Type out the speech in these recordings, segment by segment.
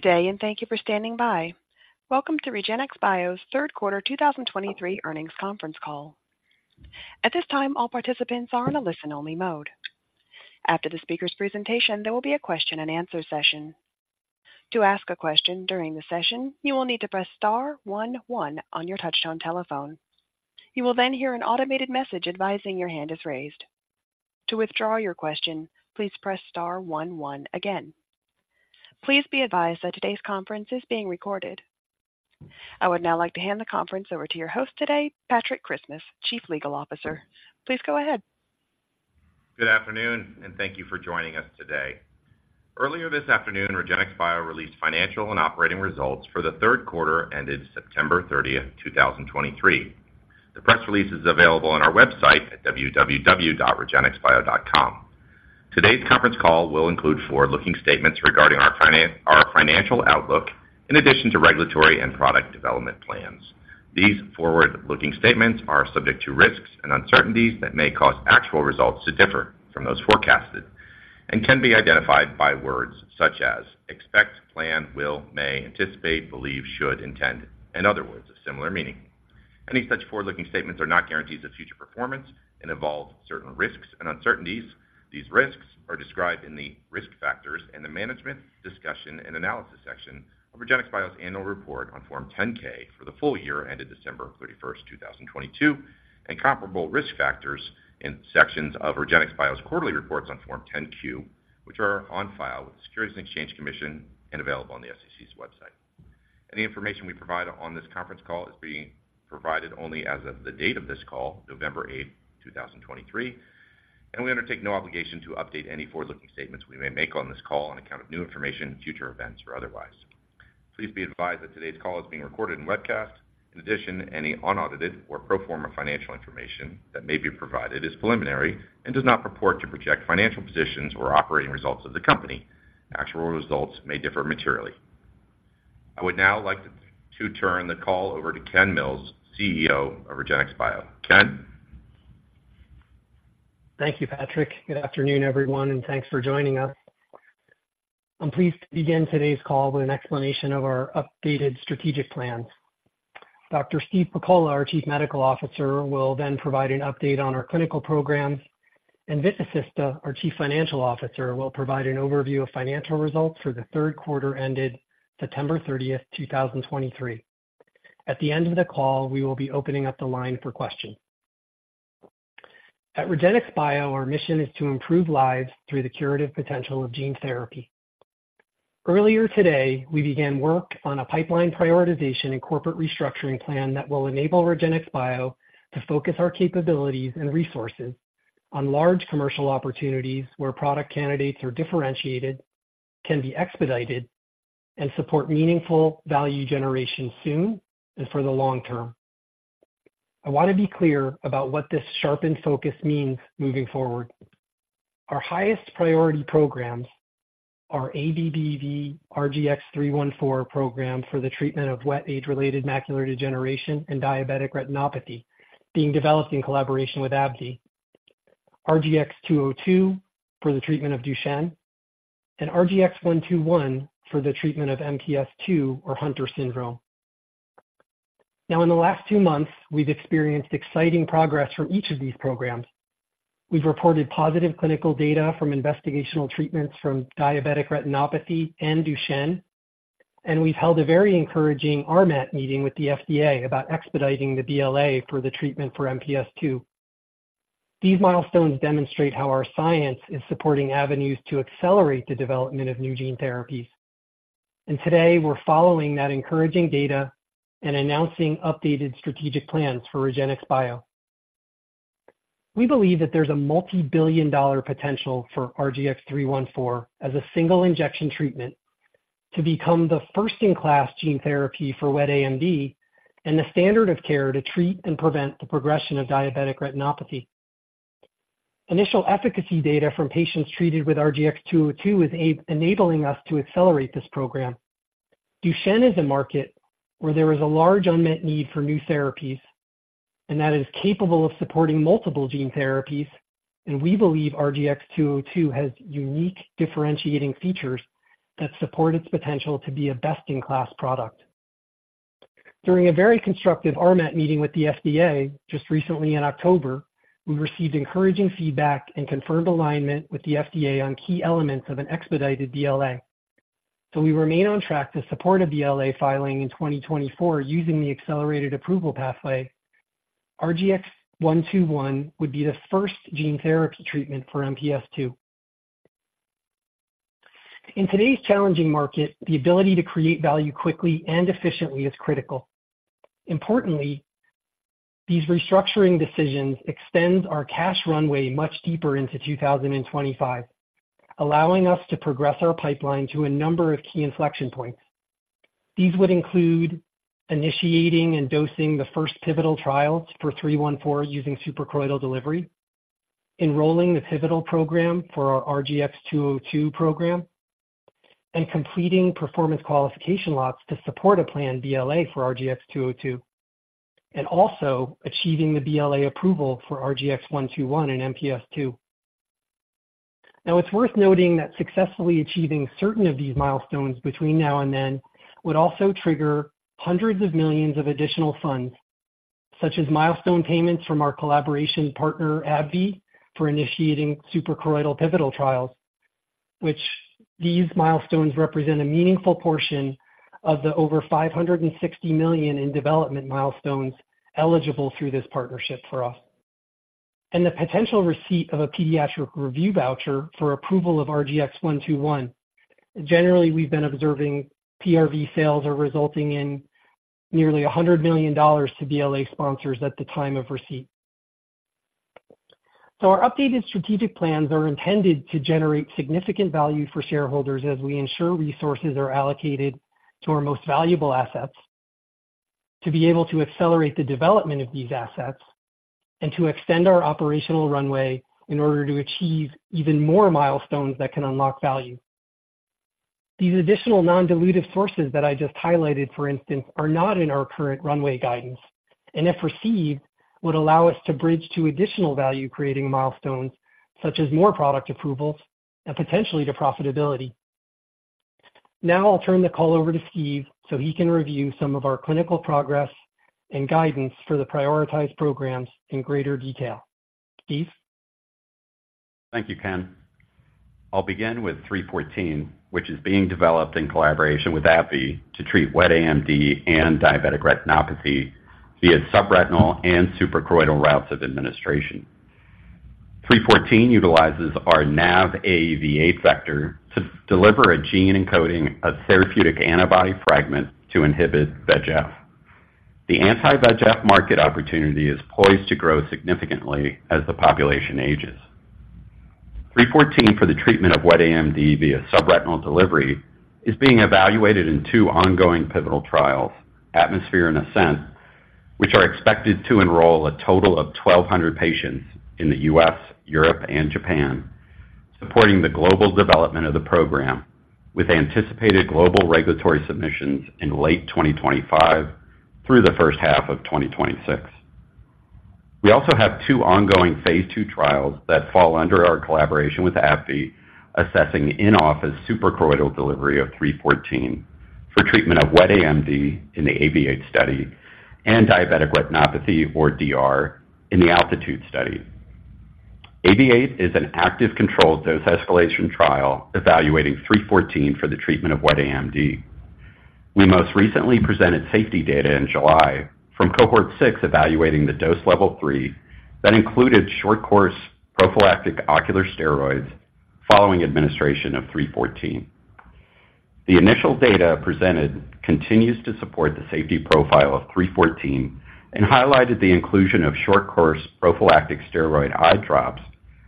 Good day, and thank you for standing by. Welcome to REGENXBIO's Third Quarter 2023 earnings conference call. At this time, all participants are in a listen-only mode. After the speaker's presentation, there will be a question-and-answer session. To ask a question during the session, you will need to press star one one on your touchtone telephone. You will then hear an automated message advising your hand is raised. To withdraw your question, please press star one one again. Please be advised that today's conference is being recorded. I would now like to hand the conference over to your host today, Patrick Christmas, Chief Legal Officer. Please go ahead. Good afternoon, and thank you for joining us today. Earlier this afternoon, REGENXBIO released financial and operating results for the third quarter ended September 30, 2023. The press release is available on our website at www.regenxbio.com. Today's conference call will include forward-looking statements regarding our financial outlook, in addition to regulatory and product development plans. These forward-looking statements are subject to risks and uncertainties that may cause actual results to differ from those forecasted and can be identified by words such as expect, plan, will, may, anticipate, believe, should, intend, and other words of similar meaning. Any such forward-looking statements are not guarantees of future performance and involve certain risks and uncertainties. These risks are described in the Risk Factors and the Management Discussion and Analysis section of REGENXBIO's Annual Report on Form 10-K for the full year ended December 31, 2022, and comparable risk factors in sections of REGENXBIO's quarterly reports on Form 10-Q, which are on file with the Securities and Exchange Commission and available on the SEC's website. Any information we provide on this conference call is being provided only as of the date of this call, November 8, 2023, and we undertake no obligation to update any forward-looking statements we may make on this call on account of new information, future events, or otherwise. Please be advised that today's call is being recorded and webcast. In addition, any unaudited or pro forma financial information that may be provided is preliminary and does not purport to project financial positions or operating results of the company. Actual results may differ materially. I would now like to turn the call over to Ken Mills, CEO of REGENXBIO, Ken? Thank you, Patrick. Good afternoon, everyone, and thanks for joining us. I'm pleased to begin today's call with an explanation of our updated strategic plans. Dr. Steve Pakola, our Chief Medical Officer, will then provide an update on our clinical programs, and Vit Vasista, our Chief Financial Officer, will provide an overview of financial results for the third quarter ended September 30th, 2023. At the end of the call, we will be opening up the line for questions. At REGENXBIO, our mission is to improve lives through the curative potential of gene therapy. Earlier today, we began work on a pipeline prioritization and corporate restructuring plan that will enable REGENXBIO to focus our capabilities and resources on large commercial opportunities where product candidates are differentiated, can be expedited, and support meaningful value generation soon and for the long term. I want to be clear about what this sharpened focus means moving forward. Our highest priority programs are ABBV-RGX-314 program for the treatment of wet age-related macular degeneration and diabetic retinopathy, being developed in collaboration with AbbVie. RGX-202 for the treatment of Duchenne, and RGX-121 for the treatment of MPS II, or Hunter Syndrome. Now, in the last two months, we've experienced exciting progress from each of these programs. We've reported positive clinical data from investigational treatments from diabetic retinopathy and Duchenne, and we've held a very encouraging RMAT meeting with the FDA about expediting the BLA for the treatment for MPS II. These milestones demonstrate how our science is supporting avenues to accelerate the development of new gene therapies, and today we're following that encouraging data and announcing updated strategic plans for REGENXBIO. We believe that there's a multi-billion dollar potential for RGX-314 as a single injection treatment to become the first-in-class gene therapy for Wet AMD and the standard of care to treat and prevent the progression of diabetic retinopathy. Initial efficacy data from patients treated with RGX-202 is enabling us to accelerate this program. Duchenne is a market where there is a large unmet need for new therapies, and that is capable of supporting multiple gene therapies, and we believe RGX-202 has unique differentiating features that support its potential to be a best-in-class product. During a very constructive RMAT meeting with the FDA just recently in October, we received encouraging feedback and confirmed alignment with the FDA on key elements of an expedited BLA. So we remain on track to support a BLA filing in 2024 using the accelerated approval pathway. RGX-121 would be the first gene therapy treatment for MPS II. In today's challenging market, the ability to create value quickly and efficiently is critical. Importantly, these restructuring decisions extends our cash runway much deeper into 2025, allowing us to progress our pipeline to a number of key inflection points. These would include initiating and dosing the first pivotal trials for 314 using suprachoroidal delivery, enrolling the pivotal program for our RGX-202 program, and completing performance qualification lots to support a planned BLA for RGX-202, and also achieving the BLA approval for RGX-121 and MPS II. Now, it's worth noting that successfully achieving certain of these milestones between now and then would also trigger hundreds of millions of additional funds, such as milestone payments from our collaboration partner, AbbVie, for initiating suprachoroidal pivotal trials, which these milestones represent a meaningful portion of the over $560 million in development milestones eligible through this partnership for us, and the potential receipt of a pediatric review voucher for approval of RGX-121. Generally, we've been observing PRV sales are resulting in nearly $100 million to BLA sponsors at the time of receipt. So our updated strategic plans are intended to generate significant value for shareholders as we ensure resources are allocated to our most valuable assets, to be able to accelerate the development of these assets, and to extend our operational runway in order to achieve even more milestones that can unlock value. These additional non-dilutive sources that I just highlighted, for instance, are not in our current runway guidance, and if received, would allow us to bridge to additional value-creating milestones such as more product approvals and potentially to profitability. Now I'll turn the call over to Steve so he can review some of our clinical progress and guidance for the prioritized programs in greater detail. Steve? Thank you, Ken. I'll begin with 314, which is being developed in collaboration with AbbVie to treat Wet AMD and diabetic retinopathy via subretinal and suprachoroidal routes of administration. 314 utilizes our NAV AAV8 vector to deliver a gene encoding a therapeutic antibody fragment to inhibit VEGF. The anti-VEGF market opportunity is poised to grow significantly as the population ages. 314 for the treatment of Wet AMD via subretinal delivery is being evaluated in two ongoing pivotal trials, ATMOSPHERE and ASCENT, which are expected to enroll a total of 1,200 patients in the U.S, Europe, and Japan, supporting the global development of the program with anticipated global regulatory submissions in late 2025 through the first half of 2026. We also have two ongoing phase II trials that fall under our collaboration with AbbVie, assessing in-office suprachoroidal delivery of 314 for treatment of Wet AMD in the AAVIATE study and diabetic retinopathy or DR in the ALTITUDE study. AAVIATE is an active controlled dose escalation trial evaluating 314 for the treatment of Wet AMD. We most recently presented safety data in July from cohort six, evaluating the dose level three that included short-course prophylactic ocular steroids following administration of 314. The initial data presented continues to support the safety profile of 314 and highlighted the inclusion of short-course prophylactic steroid eye drops,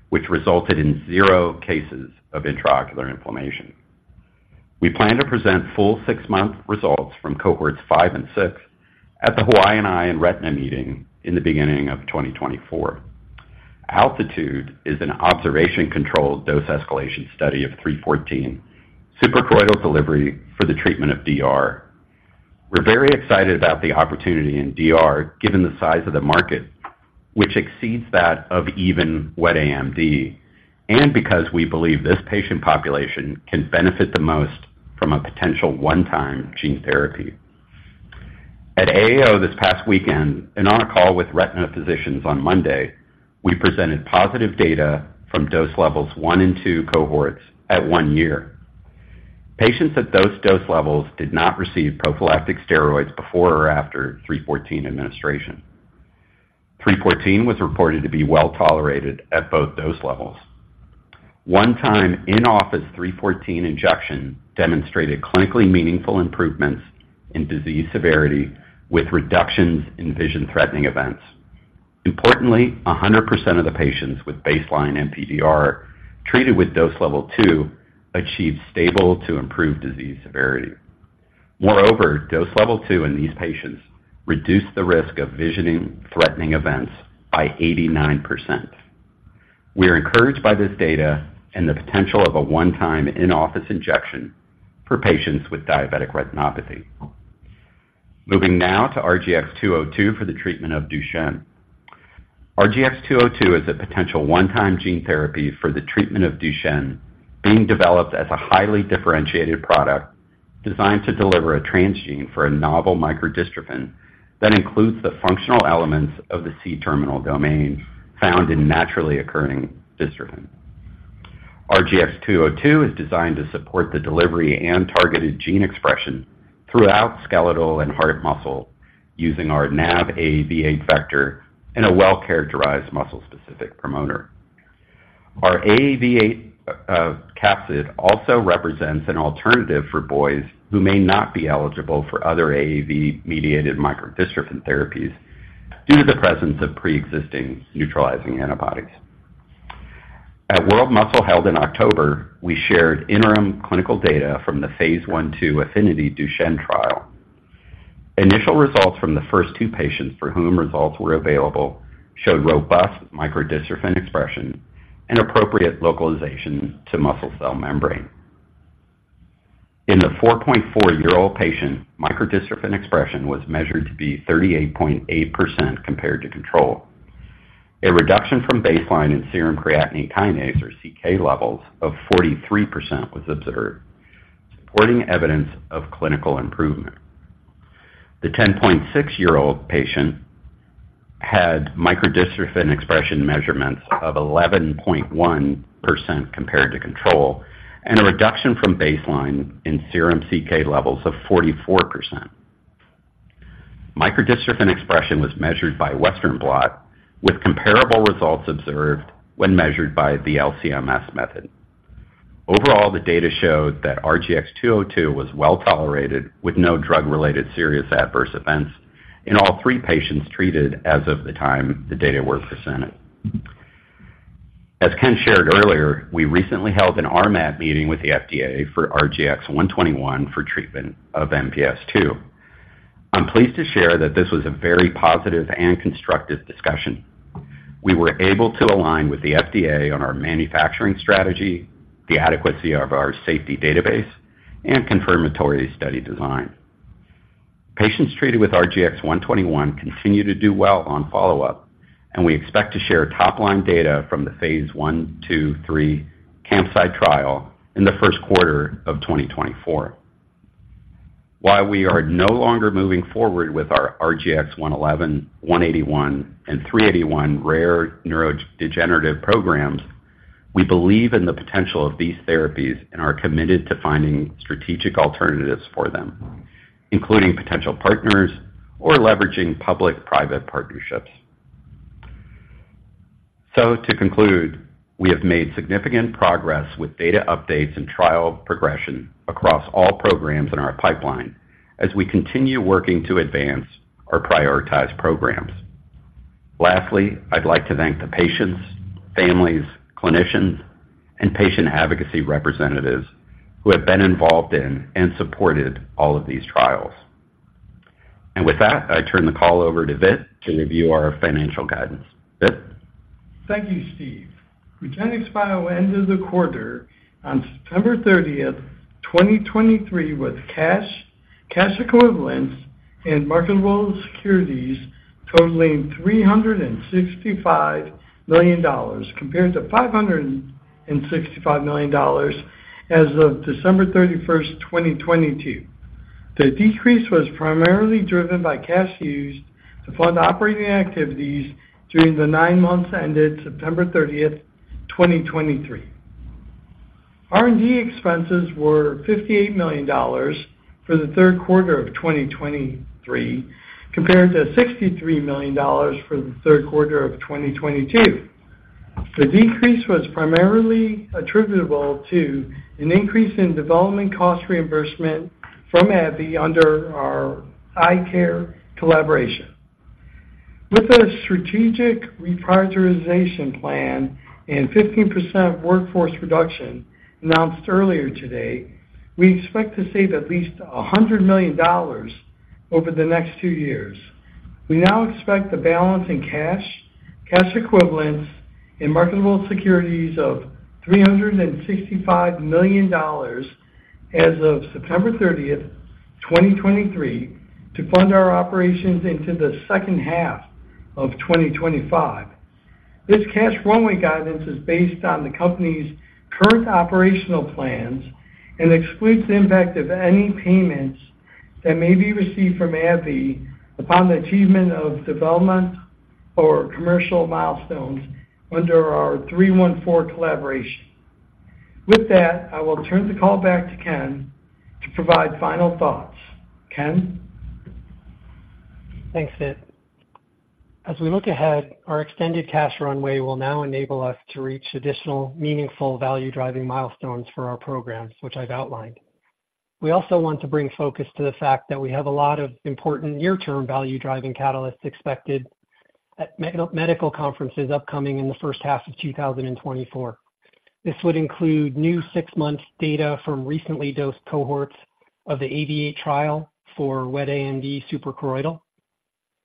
which resulted in zero cases of intraocular inflammation. We plan to present full 6-month results from cohorts five and six at the Hawaiian Eye and Retina meeting in the beginning of 2024. ALTITUDE is an observation-controlled dose escalation study of 314 suprachoroidal delivery for the treatment of DR. We're very excited about the opportunity in DR, given the size of the market, which exceeds that of even Wet AMD, and because we believe this patient population can benefit the most from a potential one-time gene therapy. At AAO this past weekend, and on a call with retina physicians on Monday, we presented positive data from dose levels one and two cohorts at one year. Patients at those dose levels did not receive prophylactic steroids before or after 314 administration. 314 was reported to be well tolerated at both dose levels. One-time in-office 314 injection demonstrated clinically meaningful improvements in disease severity, with reductions in vision-threatening events. Importantly, 100% of the patients with baseline NPDR treated with dose level two achieved stable to improved disease severity. Moreover, dose level two in these patients reduced the risk of vision-threatening events by 89%. We are encouraged by this data and the potential of a one-time in-office injection for patients with diabetic retinopathy. Moving now to RGX-202 for the treatment of Duchenne. RGX-202 is a potential one-time gene therapy for the treatment of Duchenne, being developed as a highly differentiated product designed to deliver a transgene for a novel microdystrophin that includes the functional elements of the C-terminal domain found in naturally occurring dystrophin. RGX-202 is designed to support the delivery and targeted gene expression throughout skeletal and heart muscle using our C-terminal domain found C-terminal domain foundand a well-characterized muscle-specific promoter. Our AAV8 capsid also represents an alternative for boys who may not be eligible for other AAV-mediated microdystrophin therapies due to the presence of pre-existing neutralizing antibodies. At World Muscle, held in October, we shared interim clinical data from the phase I-II AFFINITY DUCHENNE trial. Initial results from the first two patients for whom results were available showed robust microdystrophin expression and appropriate localization to muscle cell membrane. In the 4.4-year-old patient, microdystrophin expression was measured to be 38.8% compared to control. A reduction from baseline in serum creatinine kinase or CK levels of 43% was observed, supporting evidence of clinical improvement. The 10.6-year-old patient had microdystrophin expression measurements of 11.1% compared to control, and a reduction from baseline in serum CK levels of 44%. Microdystrophin expression was measured by Western Blot, with comparable results observed when measured by the LC-MS method. Overall, the data showed that RGX-202 was well tolerated, with no drug-related serious adverse events in all three patients treated as of the time the data were presented. As Ken shared earlier, we recently held an RMAT meeting with the FDA for RGX-121 for treatment of MPS II. I'm pleased to share that this was a very positive and constructive discussion. We were able to align with the FDA on our manufacturing strategy, the adequacy of our safety database, and confirmatory study design. Patients treated with RGX-121 continue to do well on follow-up, and we expect to share top-line data from the phase I, II, III CAMPSIITE trial in the first quarter of 2024. While we are no longer moving forward with our RGX-111, 181, and 381 rare neurodegenerative programs, we believe in the potential of these therapies and are committed to finding strategic alternatives for them, including potential partners or leveraging public-private partnerships. So to conclude, we have made significant progress with data updates and trial progression across all programs in our pipeline as we continue working to advance our prioritized programs. Lastly, I'd like to thank the patients, families, clinicians, and patient advocacy representatives who have been involved in and supported all of these trials. And with that, I turn the call over to Vit to review our financial guidance. Vit? Thank you, Steve. REGENXBIO ended the quarter on September 30th, 2023, with Cash, Cash Equivalents, and Marketable Securities totaling $365 million, compared to $565 million as of December 31, 2022. The decrease was primarily driven by cash used to fund operating activities during the nine months ended September 30th 2023. R&D expenses were $58 million for the third quarter of 2023, compared to $63 million for the third quarter of 2022. The decrease was primarily attributable to an increase in development cost reimbursement from AbbVie under our eye care collaboration. With our strategic reprioritization plan and 15% workforce reduction announced earlier today, we expect to save at least $100 million over the next two years. We now expect the balance in cash, cash equivalents, and marketable securities of $365 million as of September 30th 2023, to fund our operations into the second half of 2025. This cash runway guidance is based on the company's current operational plans and excludes the impact of any payments that may be received from AbbVie upon the achievement of development or commercial milestones under our 314 collaboration. With that, I will turn the call back to Ken to provide final thoughts. Ken? Thanks, Vit. As we look ahead, our extended cash runway will now enable us to reach additional meaningful value-driving milestones for our programs, which I've outlined. We also want to bring focus to the fact that we have a lot of important near-term value-driving catalysts expected at medical conferences upcoming in the first half of 2024. This would include new six-month data from recently dosed cohorts of the AAVIATE trial for Wet AMD suprachoroidal,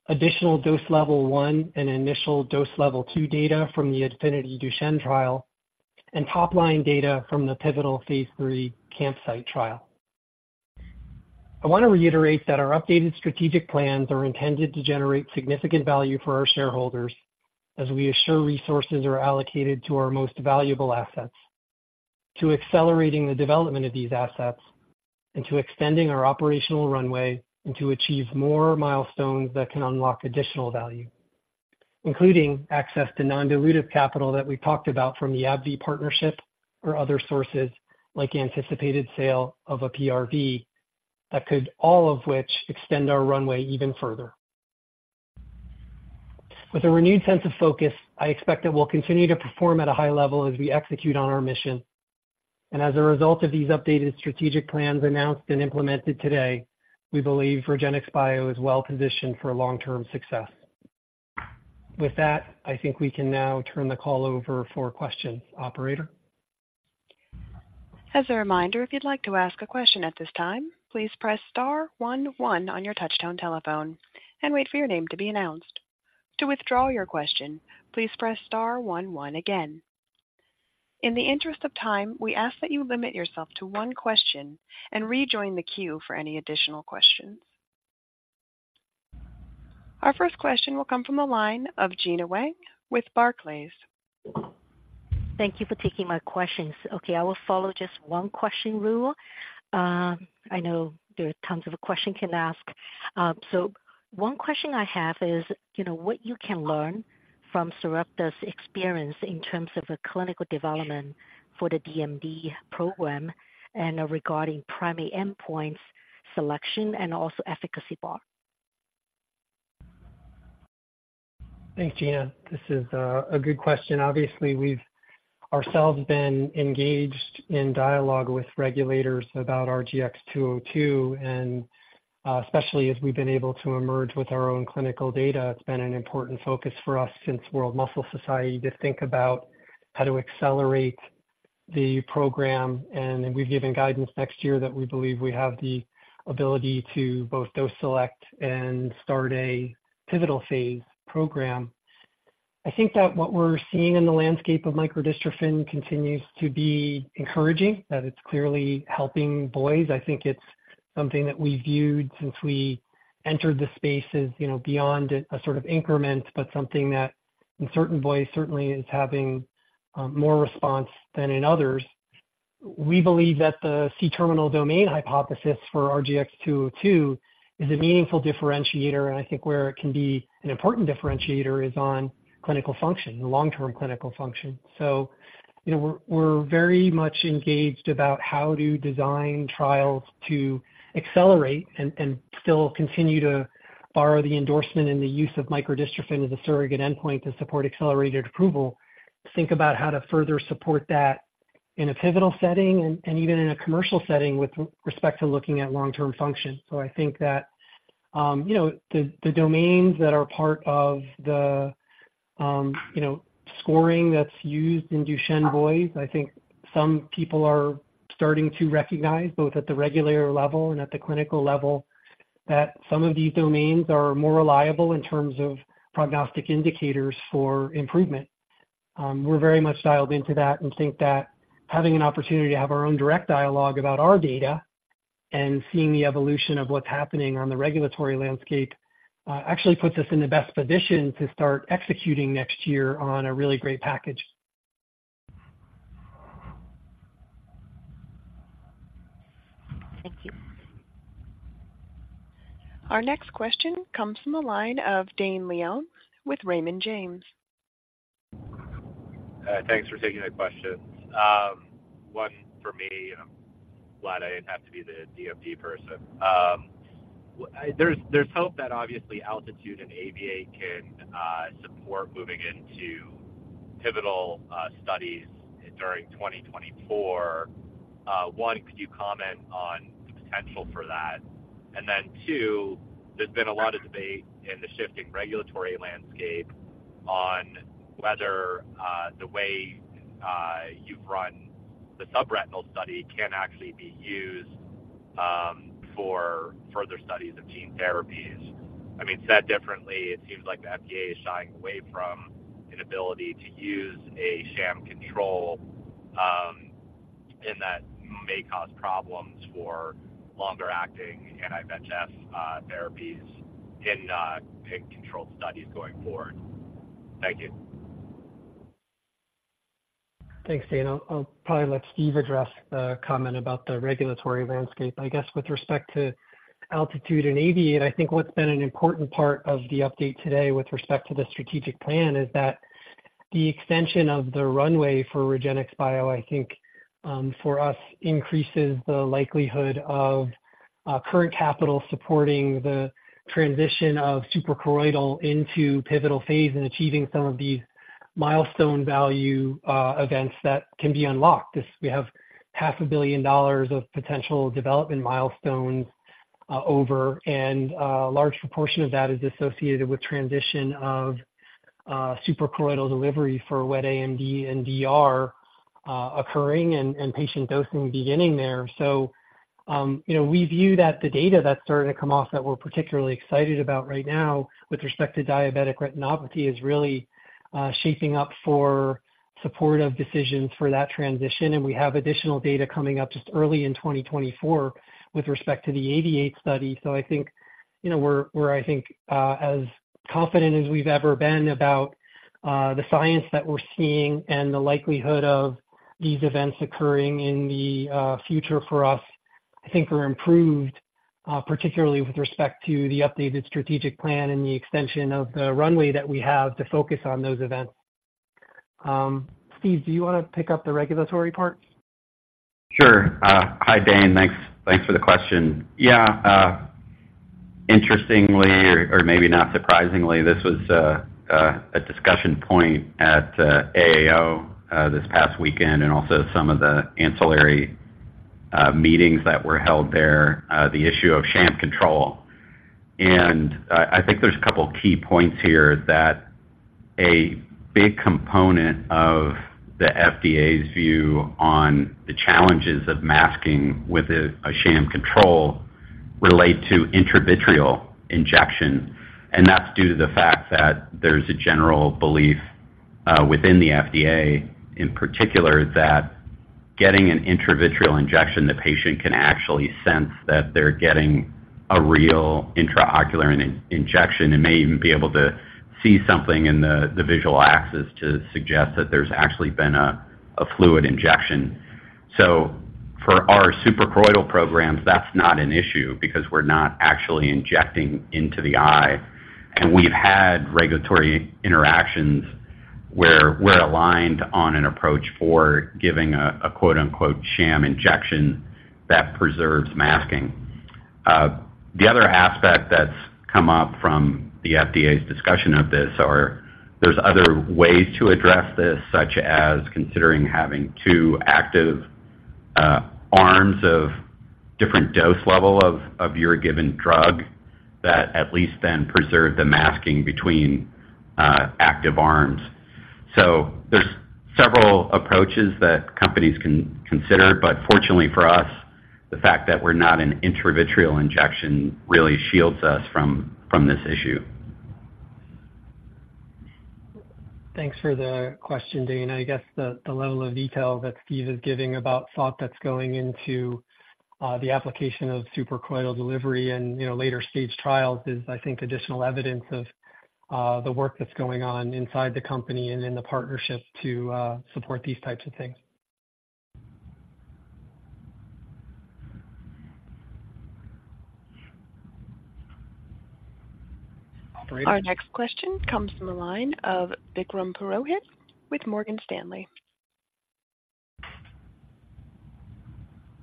additional dose level one and initial dose level two data from the AFFINITY-Duchenne trial, and top-line data from the pivotal phase III CAMPSIITE trial. I want to reiterate that our updated strategic plans are intended to generate significant value for our shareholders as we assure resources are allocated to our most valuable assets, to accelerating the development of these assets, and to extending our operational runway, and to achieve more milestones that can unlock additional value, including access to non-dilutive capital that we talked about from the AbbVie partnership or other sources like anticipated sale of a PRV, that could all of which extend our runway even further. With a renewed sense of focus, I expect that we'll continue to perform at a high level as we execute on our mission. As a result of these updated strategic plans announced and implemented today, we believe REGENXBIO is well positioned for long-term success. With that, I think we can now turn the call over for questions. Operator? As a reminder, if you'd like to ask a question at this time, please press star one one on your touchtone telephone and wait for your name to be announced. To withdraw your question, please press star one one again. In the interest of time, we ask that you limit yourself to one question and rejoin the queue for any additional questions. Our first question will come from the line of Gena Wang with Barclays. Thank you for taking my questions. Okay, I will follow just one question rule. I know there are tons of questions one can ask. So one question I have is, you know, what you can learn from Sarepta's experience in terms of a clinical development for the DMD program and, regarding primary endpoints selection and also efficacy bar? Thanks, Gina. This is a good question. Obviously, we've ourselves been engaged in dialogue with regulators about RGX-202, and especially as we've been able to emerge with our own clinical data. It's been an important focus for us since World Muscle Society to think about how to accelerate the program, and we've given guidance next year that we believe we have the ability to both dose select and start a pivotal phase program. I think that what we're seeing in the landscape of microdystrophin continues to be encouraging, that it's clearly helping boys. I think it's something that we viewed since we entered the space as, you know, beyond a sort of increment, but something that in certain boys certainly is having more response than in others. We believe that the C-Terminal Domain hypothesis for RGX-202 is a meaningful differentiator, and I think where it can be an important differentiator is on clinical function, long-term clinical function. So you know, we're, we're very much engaged about how to design trials to accelerate and still continue to borrow the endorsement and the use of microdystrophin as a surrogate endpoint to support accelerated approval. Think about how to further support that in a pivotal setting and even in a commercial setting with respect to looking at long-term function. So I think that, you know, the, the domains that are part of the, you know, scoring that's used in Duchenne boys, I think some people are starting to recognize, both at the regulator level and at the clinical level, that some of these domains are more reliable in terms of prognostic indicators for improvement. We're very much dialed into that and think that having an opportunity to have our own direct dialogue about our data and seeing the evolution of what's happening on the regulatory landscape, actually puts us in the best position to start executing next year on a really great package. Thank you. Our next question comes from the line of Dane Leone with Raymond James. Thanks for taking my questions. One for me, I'm glad I didn't have to be the DMD person. Well, there's hope that obviously ALTITUDE and AAVIATE can support moving into pivotal studies during 2024. One, could you comment on the potential for that? And then two, there's been a lot of debate in the shifting regulatory landscape on whether the way you've run the subretinal study can actually be used for further studies of gene therapies. I mean, said differently, it seems like the FDA is shying away from an ability to use a sham control, and that may cause problems for longer-acting anti-VEGF therapies in controlled studies going forward. Thank you. Thanks, Dane. I'll probably let Steve address the comment about the regulatory landscape. I guess with respect to ALTITUDE and AAVIATE, I think what's been an important part of the update today with respect to the strategic plan is that the extension of the runway for REGENXBIO, I think, for us, increases the likelihood of current capital supporting the transition of suprachoroidal into pivotal phase and achieving some of these milestone value events that can be unlocked. We have $500 million of potential development milestones, and a large proportion of that is associated with transition of suprachoroidal delivery for Wet AMD and DR occurring and patient dosing beginning there. So, you know, we view that the data that's starting to come off that we're particularly excited about right now with respect to diabetic retinopathy is really shaping up for supportive decisions for that transition. And we have additional data coming up just early in 2024 with respect to the AAV8 study. So I think, you know, we're, I think, as confident as we've ever been about the science that we're seeing and the likelihood of these events occurring in the future for us, I think are improved, particularly with respect to the updated strategic plan and the extension of the runway that we have to focus on those events. Steve, do you want to pick up the regulatory part? Sure. Hi, Dane. Thanks, thanks for the question. Yeah, interestingly, or maybe not surprisingly, this was a discussion point at AAO this past weekend and also some of the ancillary meetings that were held there, the issue of sham control. And I think there's a couple key points here that a big component of the FDA's view on the challenges of masking with a sham control relate to intravitreal injection, and that's due to the fact that there's a general belief within the FDA, in particular, that getting an intravitreal injection, the patient can actually sense that they're getting a real intraocular injection and may even be able to see something in the visual axis to suggest that there's actually been a fluid injection. So for our suprachoroidal programs, that's not an issue because we're not actually injecting into the eye. And we've had regulatory interactions where we're aligned on an approach for giving a, a quote-unquote, sham injection that preserves masking. The other aspect that's come up from the FDA's discussion of this are, there's other ways to address this, such as considering having two active arms of different dose level of your given drug that at least then preserve the masking between active arms. So there's several approaches that companies can consider, but fortunately for us, the fact that we're not an intravitreal injection really shields us from this issue. Thanks for the question, Dan. I guess the level of detail that Steve is giving about thought that's going into the application of suprachoroidal delivery and, you know, later-stage trials is, I think, additional evidence of the work that's going on inside the company and in the partnership to support these types of things. Operator? Our next question comes from the line of Vikram Purohit with Morgan Stanley.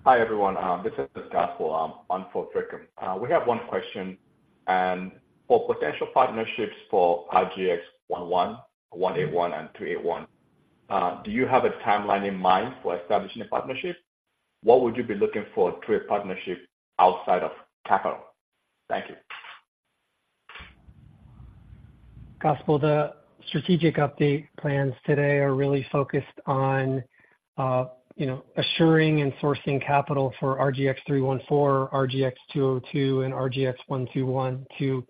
Hi, everyone. This is Gospel, on for Vikram. We have one question, and for potential partnerships for RGX-111, 181, and 381, do you have a timeline in mind for establishing a partnership? What would you be looking for to a partnership outside of capital? Thank you. Gospel, the strategic update plans today are really focused on, you know, assuring and sourcing capital for RGX-314, RGX-202, and RGX-121 to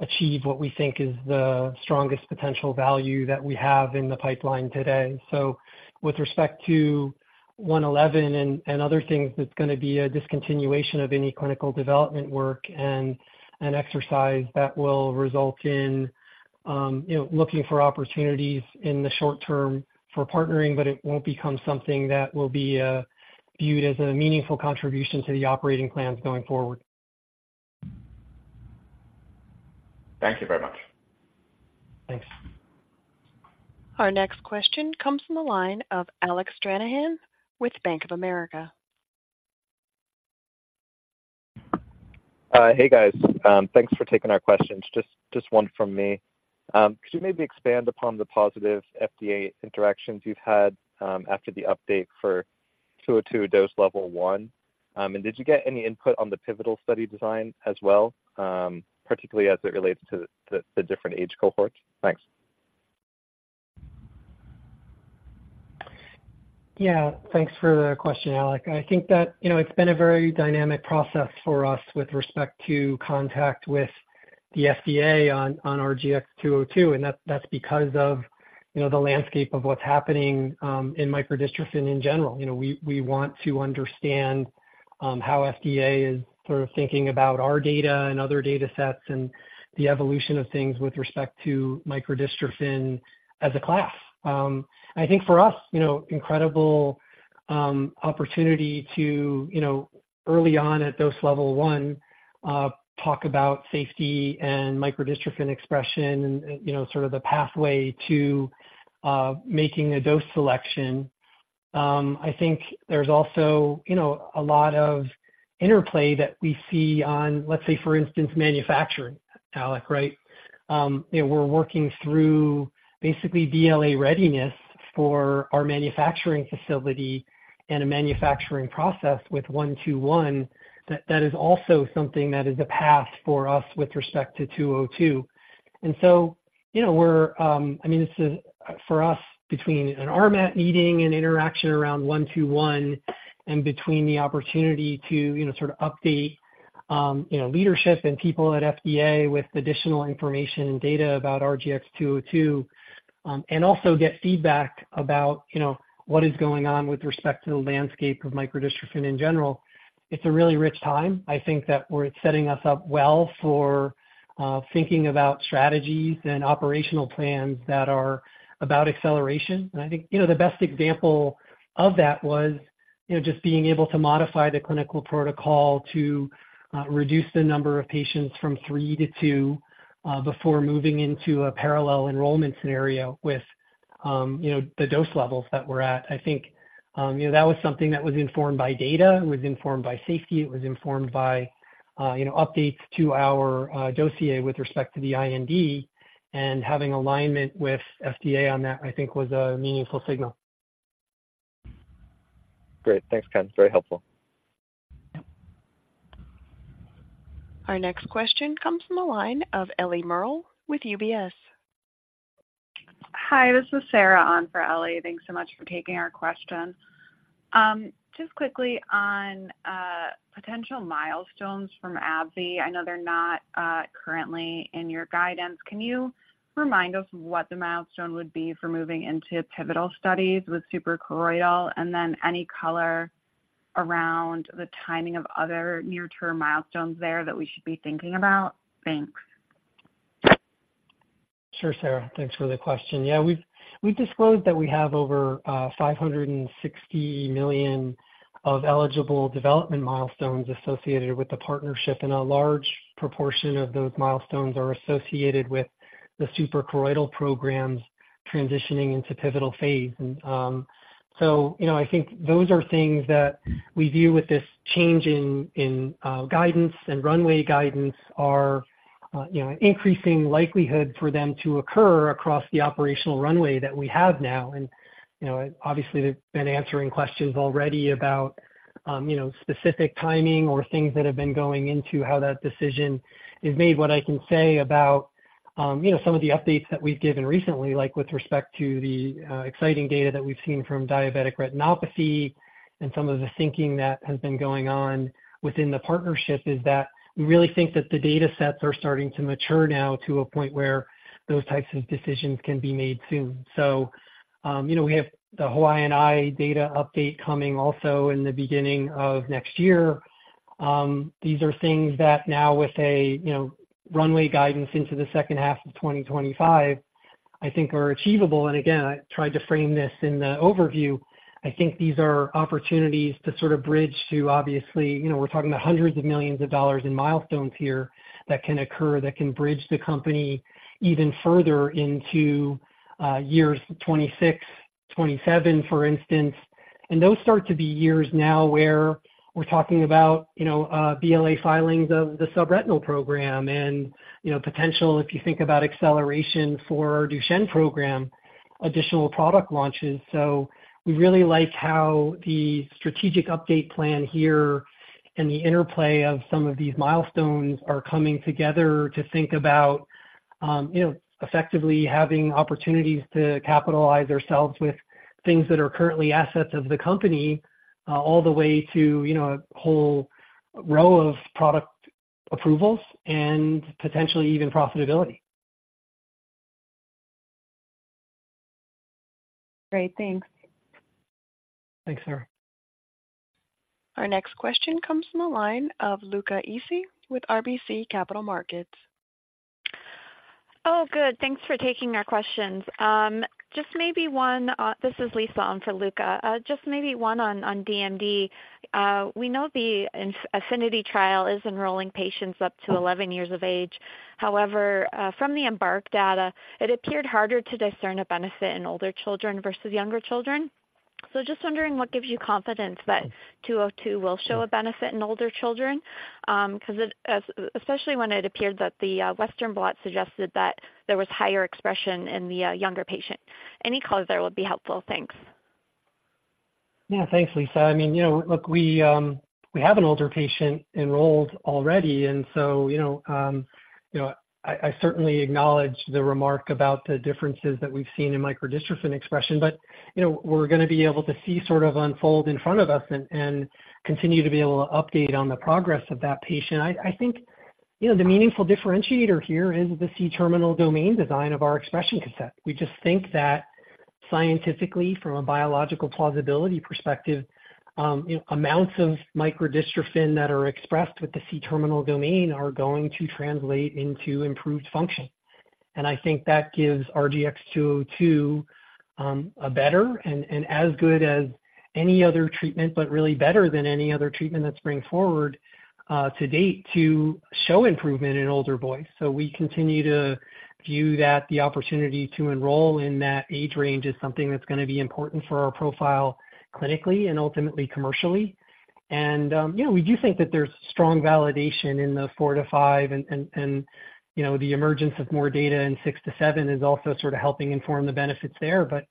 achieve what we think is the strongest potential value that we have in the pipeline today. So with respect to 111 and other things, it's gonna be a discontinuation of any clinical development work and exercise that will result in, you know, looking for opportunities in the short term for partnering, but it won't become something that will be viewed as a meaningful contribution to the operating plans going forward. Thank you very much. Thanks. Our next question comes from the line of Alec Stranahan with Bank of America. Hey, guys. Thanks for taking our questions. Just one from me. Could you maybe expand upon the positive FDA interactions you've had after the update for 202 dose level one? And did you get any input on the pivotal study design as well, particularly as it relates to the different age cohorts? Thanks. Yeah, thanks for the question, Alex. I think that, you know, it's been a very dynamic process for us with respect to contact with the FDA on, on RGX-202, and that's, that's because of, you know, the landscape of what's happening, in microdystrophin in general. You know, we, we want to understand, how FDA is sort of thinking about our data and other data sets and the evolution of things with respect to microdystrophin as a class. I think for us, you know, incredible, opportunity to, you know, early on at dose level one, talk about safety and microdystrophin expression and, and, you know, sort of the pathway to, making a dose selection. I think there's also, you know, a lot of interplay that we see on, let's say, for instance, manufacturing, Alec right? You know, we're working through basically DLA readiness for our manufacturing facility and a manufacturing process with 121, that is also something that is a path for us with respect to 202. And so, you know, I mean, this is, for us, between an RMAT meeting and interaction around 121, and between the opportunity to, you know, sort of update, you know, leadership and people at FDA with additional information and data about RGX-202, and also get feedback about, you know, what is going on with respect to the landscape of microdystrophin in general. It's a really rich time. I think that we're setting us up well for thinking about strategies and operational plans that are about acceleration. I think, you know, the best example of that was, you know, just being able to modify the clinical protocol to reduce the number of patients from three to two before moving into a parallel enrollment scenario with, you know, the dose levels that we're at. I think, you know, that was something that was informed by data. It was informed by safety. It was informed by, you know, updates to our dossier with respect to the IND, and having alignment with FDA on that, I think, was a meaningful signal. Great. Thanks, Ken. Very helpful. Our next question comes from the line of Ellie Merle with UBS. Hi, this is Sarah on for Ellie. Thanks so much for taking our question. Just quickly on potential milestones from AbbVie. I know they're not currently in your guidance. Can you remind us what the milestone would be for moving into pivotal studies with suprachoroidal? And then any color around the timing of other near-term milestones there that we should be thinking about? Thanks. Sure, Sarah, thanks for the question. Yeah, we've disclosed that we have over $560 million of eligible development milestones associated with the partnership, and a large proportion of those milestones are associated with the suprachoroidal programs transitioning into pivotal phase. So, you know, I think those are things that we view with this change in guidance and runway guidance are increasing likelihood for them to occur across the operational runway that we have now. You know, obviously, they've been answering questions already about specific timing or things that have been going into how that decision is made. What I can say about, you know, some of the updates that we've given recently, like with respect to the exciting data that we've seen from diabetic retinopathy and some of the thinking that has been going on within the partnership, is that we really think that the data sets are starting to mature now to a point where those types of decisions can be made soon. So, you know, we have the Hawaiian Eye data update coming also in the beginning of next year. These are things that now with a, you know, runway guidance into the second half of 2025, I think are achievable. And again, I tried to frame this in the overview. I think these are opportunities to sort of bridge to obviously, you know, we're talking about hundreds of millions in milestones here that can occur, that can bridge the company even further into years 2026, 2027, for instance. And those start to be years now where we're talking about, you know, BLA filings of the subretinal program and, you know, potential, if you think about acceleration for Duchenne program, additional product launches. So we really like how the strategic update plan here and the interplay of some of these milestones are coming together to think about, you know, effectively having opportunities to capitalize ourselves with things that are currently assets of the company, all the way to, you know, a whole row of product approvals and potentially even profitability. Great. Thanks. Thanks, Sarah. Our next question comes from the line of Luca Issi with RBC Capital Markets. Oh, good. Thanks for taking our questions. This is Lisa on for Luca. Just maybe one on, on DMD. We know the AFFINITY trial is enrolling patients up to 11 years of age. However, from the EMBARK data, it appeared harder to discern a benefit in older children versus younger children. So just wondering what gives you confidence that 202 will show a benefit in older children? Because it, especially when it appeared that the, Western Blot suggested that there was higher expression in the, younger patient. Any color there would be helpful. Thanks. Yeah, thanks, Lisa. I mean, you know, look, we have an older patient enrolled already, and so, you know, you know, I certainly acknowledge the remark about the differences that we've seen in microdystrophin expression, but, you know, we're gonna be able to see sort of unfold in front of us and continue to be able to update on the progress of that patient. I think, you know, the meaningful differentiator here is the C-Terminal Domain design of our expression cassette. We just think that scientifically, from a biological plausibility perspective, you know, amounts of microdystrophin that are expressed with the C-Terminal Domain are going to translate into improved function. I think that gives RGX-202 a better and as good as any other treatment, but really better than any other treatment that's bring forward to date, to show improvement in older boys. So we continue to view that the opportunity to enroll in that age range is something that's gonna be important for our profile, clinically and ultimately commercially. You know, we do think that there's strong validation in the four to five and the emergence of more data in six to seven is also sort of helping inform the benefits there. But,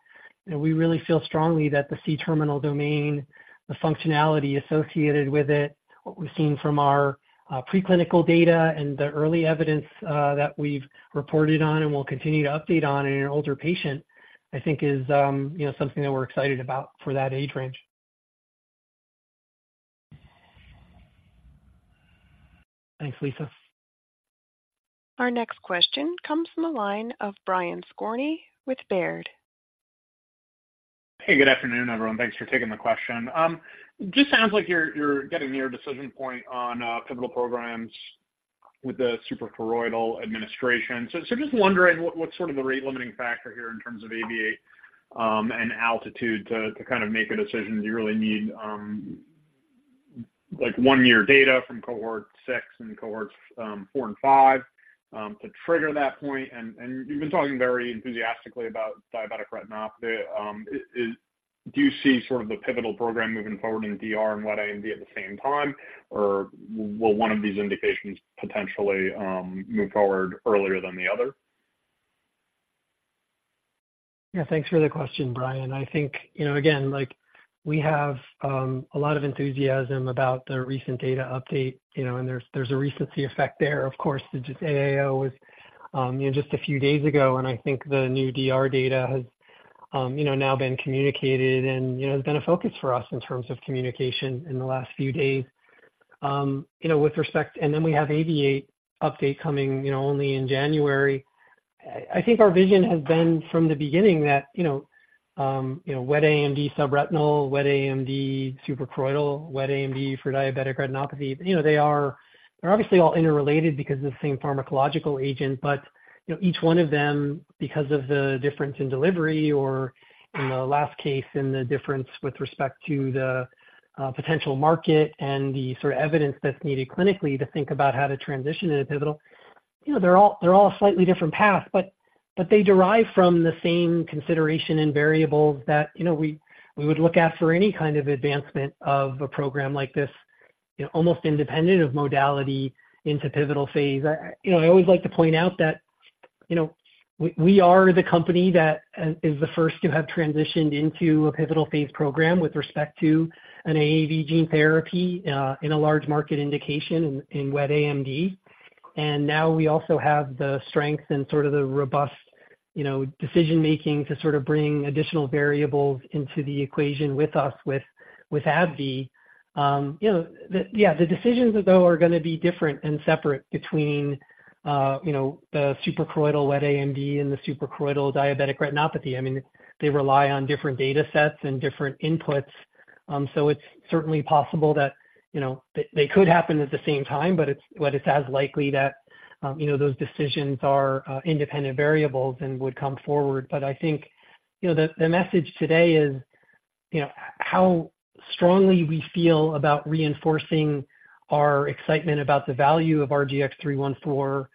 you know, we really feel strongly that the C-Terminal Domain, the functionality associated with it, what we've seen from our preclinical data and the early evidence that we've reported on and will continue to update on in an older patient, I think is, you know, something that we're excited about for that age range. Thanks, Lisa. Our next question comes from the line of Brian Skorney with Baird. Hey, good afternoon, everyone. Thanks for taking the question. Just sounds like you're getting near a decision point on clinical programs with the suprachoroidal administration. So just wondering, what's sort of the rate limiting factor here in terms of AAVIATE and ALTITUDE to kind of make a decision? Do you really need, like, one year data from cohort six and cohorts four and five to trigger that point? And you've been talking very enthusiastically about diabetic retinopathy. Is, do you see sort of the pivotal program moving forward in DR and Wet AMD at the same time, or will one of these indications potentially move forward earlier than the other? Yeah, thanks for the question, Brian. I think, you know, again, like, we have a lot of enthusiasm about the recent data update, you know, and there's a recency effect there, of course. The AAO was just a few days ago, and I think the new DR data has now been communicated and has been a focus for us in terms of communication in the last few days. With respect- and then we have AAVIATE update coming only in January. I think our vision has been from the beginning that Wet AMD subretinal, Wet AMD suprachoroidal, Wet AMD for diabetic retinopathy. You know, they are, they're obviously all interrelated because of the same pharmacological agent, but, you know, each one of them, because of the difference in delivery or in the last case, in the difference with respect to the potential market and the sort of evidence that's needed clinically to think about how to transition into pivotal. You know, they're all, they're all slightly different paths, but, but they derive from the same consideration and variables that, you know, we, we would look at for any kind of advancement of a program like this, you know, almost independent of modality into pivotal phase. I, you know, I always like to point out that, you know, we are the company that is the first to have transitioned into a pivotal phase program with respect to an AAV gene therapy in a large market indication in Wet AMD. And now we also have the strength and sort of the robust, you know, decision-making to sort of bring additional variables into the equation with us with AbbVie. You know, yeah, the decisions, though, are gonna be different and separate between the suprachoroidal Wet AMD and the suprachoroidal diabetic retinopathy. I mean, they rely on different data sets and different inputs. So it's certainly possible that they could happen at the same time, but it's as likely that you know, those decisions are independent variables and would come forward. But I think, you know, the message today is, you know, how strongly we feel about reinforcing our excitement about the value of RGX-314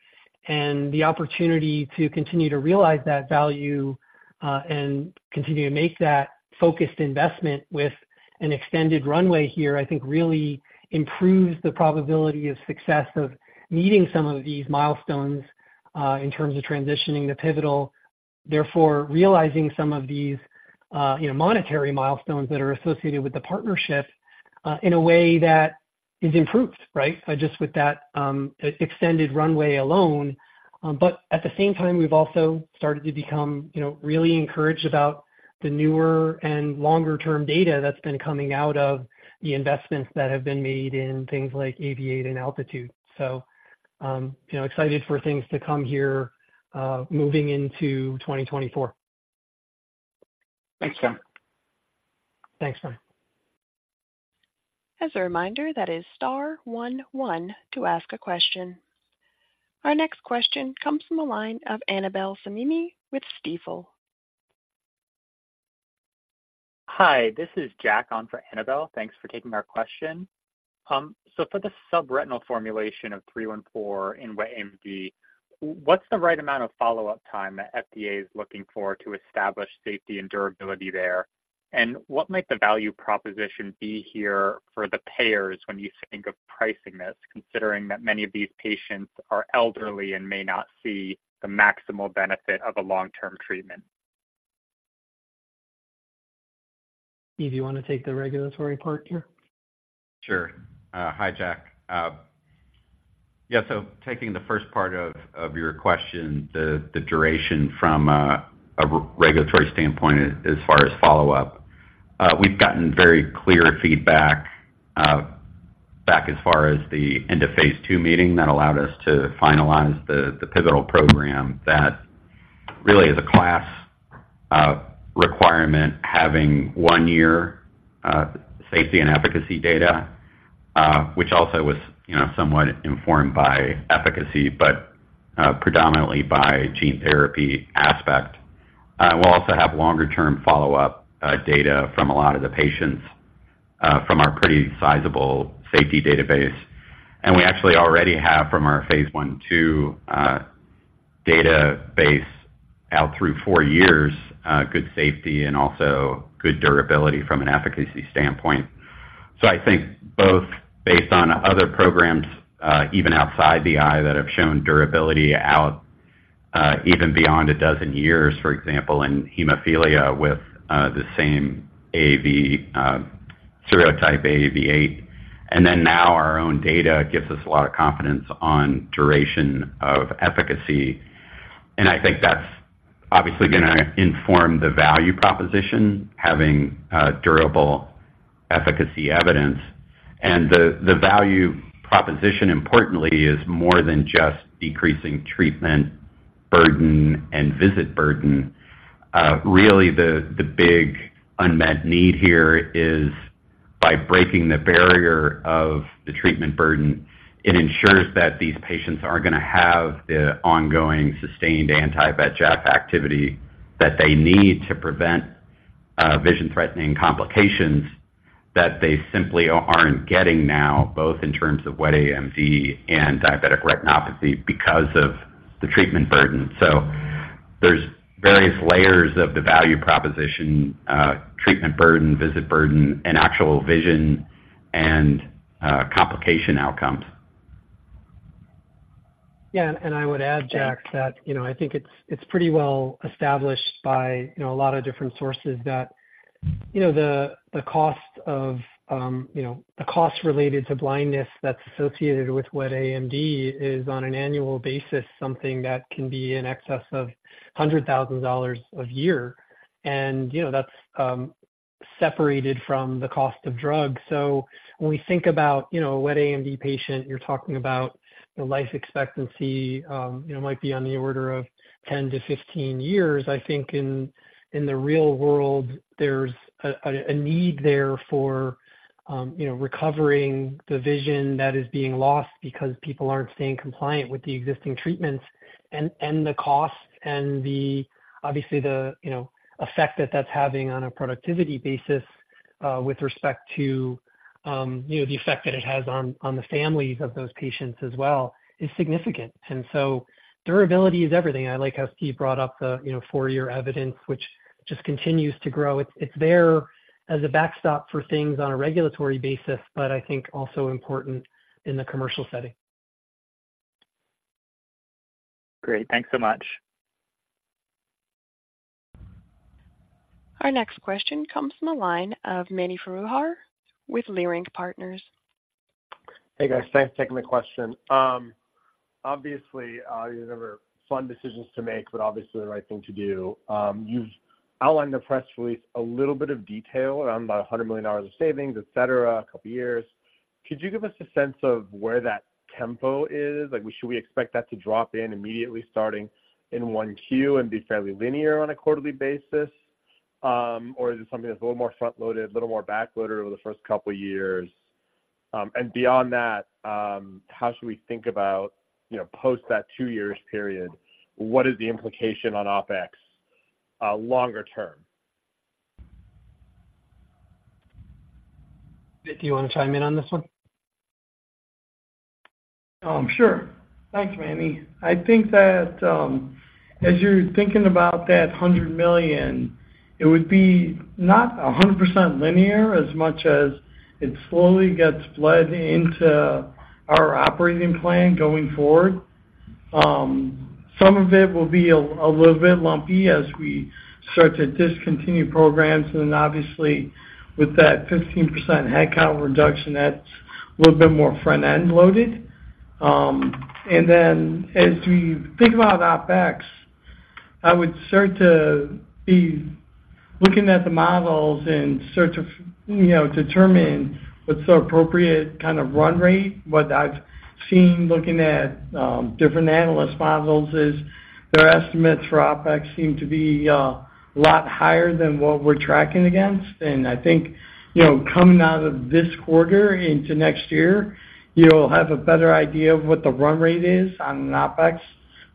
and the opportunity to continue to realize that value, and continue to make that focused investment with an extended runway here. I think really improves the probability of success of meeting some of these milestones, in terms of transitioning to pivotal. Therefore, realizing some of these, you know, monetary milestones that are associated with the partnership, in a way that is improved, right? Just with that, extended runway alone. But at the same time, we've also started to become, you know, really encouraged about the newer and longer-term data that's been coming out of the investments that have been made in things like AAVIATE and ALTITUDE. You know, excited for things to come here, moving into 2024. Thanks, Ken. Thanks, Brian. As a reminder, that is star one one to ask a question. Our next question comes from the line of Annabel Samimy with Stifel. Hi, this is Jack on for Annabel. Thanks for taking our question. So, for the subretinal formulation of 314 in Wet AMD, what's the right amount of follow-up time that FDA is looking for to establish safety and durability there? And what might the value proposition be here for the payers when you think of pricing this, considering that many of these patients are elderly and may not see the maximal benefit of a long-term treatment? Steve, do you want to take the regulatory part here? Sure. Hi, Jack. Yeah, so taking the first part of your question, the duration from a regulatory standpoint as far as follow-up. We've gotten very clear feedback back as far as the end-of-phase II meeting that allowed us to finalize the pivotal program that really is a class requirement, having 1-year safety and efficacy data, which also was, you know, somewhat informed by efficacy, but predominantly by gene therapy aspect. We'll also have longer-term follow-up data from a lot of the patients from our pretty sizable safety database. And we actually already have from our phase I-II database out through four years good safety and also good durability from an efficacy standpoint. So I think both based on other programs, even outside the eye, that have shown durability out even beyond a dozen years, for example, in hemophilia with the same AAV serotype AAV8. And then now our own data gives us a lot of confidence on duration of efficacy, and I think that's obviously going to inform the value proposition, having durable efficacy evidence. And the value proposition, importantly, is more than just decreasing treatment burden and visit burden. Really, the big unmet need here is by breaking the barrier of the treatment burden, it ensures that these patients are going to have the ongoing sustained anti-VEGF activity that they need to prevent vision-threatening complications that they simply aren't getting now, both in terms of Wet AMD and diabetic retinopathy, because of the treatment burden. There's various layers of the value proposition, treatment burden, visit burden, and actual vision and complication outcomes. Yeah, and I would add, Jack, that, you know, I think it's pretty well established by, you know, a lot of different sources that, you know, the cost of, you know, the cost related to blindness that's associated with Wet AMD is, on an annual basis, something that can be in excess of $100,000 a year. And, you know, that's separated from the cost of drugs. So when we think about, you know, a Wet AMD patient, you're talking about the life expectancy, you know, might be on the order of 10-15 years. I think in the real world, there's a need there for, you know, recovering the vision that is being lost because people aren't staying compliant with the existing treatments. And the cost and the obviously the, you know, effect that that's having on a productivity basis, with respect to, you know, the effect that it has on the families of those patients as well, is significant. And so durability is everything. I like how Steve brought up the, you know, four-year evidence, which just continues to grow. It's there as a backstop for things on a regulatory basis, but I think also important in the commercial setting. Great. Thanks so much. Our next question comes from the line of Mani Foroohar with Leerink Partners. Hey, guys. Thanks for taking the question. Obviously, these are never fun decisions to make, but obviously the right thing to do. You've outlined the press release, a little bit of detail around about $100 million of savings, et cetera, a couple years. Could you give us a sense of where that tempo is? Like, should we expect that to drop in immediately starting in one Q and be fairly linear on a quarterly basis? Or is it something that's a little more front-loaded, a little more back-loaded over the first couple years? And beyond that, how should we think about, you know, post that two years period, what is the implication on OpEx longer term? Vit, do you want to chime in on this one? Sure. Thanks, Mani. I think that, as you're thinking about that $100 million, it would be not 100% linear as much as it slowly gets bled into our operating plan going forward. Some of it will be a little bit lumpy as we start to discontinue programs, and then obviously, with that 15% headcount reduction, that's a little bit more front-end loaded. And then as we think about OpEx, I would start to be looking at the models and start to, you know, determine what's the appropriate kind of run rate. What I've seen looking at different analyst models is their estimates for OpEx seem to be a lot higher than what we're tracking against. And I think, you know, coming out of this quarter into next year, you'll have a better idea of what the run rate is on an OpEx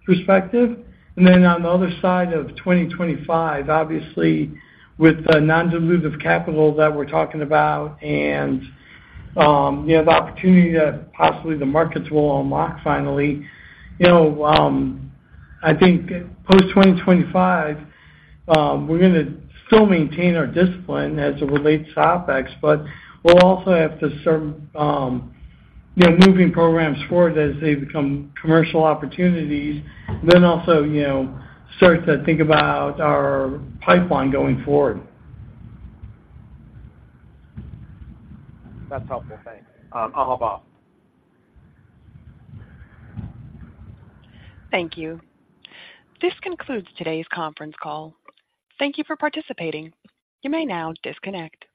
perspective. And then on the other side of 2025, obviously, with the non-dilutive capital that we're talking about and, you know, the opportunity that possibly the markets will unlock finally, you know, I think post 2025, we're gonna still maintain our discipline as it relates to OpEx, but we'll also have to start, you know, moving programs forward as they become commercial opportunities, then also, you know, start to think about our pipeline going forward. That's helpful. Thanks. I'll hop off. Thank you. This concludes today's conference call. Thank you for participating. You may now disconnect.